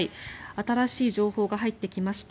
新しい情報が入ってきました。